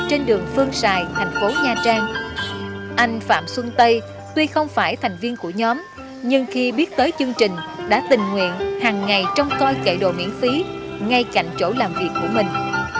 trên đường phương sài thành phố nha trang anh phạm xuân tây tuy không phải thành viên của nhóm nhưng khi biết tới chương trình đã tình nguyện hàng ngày trong coi kậy đồ miễn phí ngay cạnh chỗ làm việc của mình